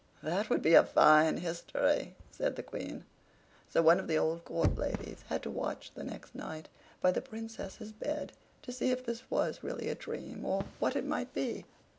"That would be a fine history!" said the Queen. So one of the old court ladies had to watch the next night by the Princess's bed, to see if this was really a dream, or what it might be.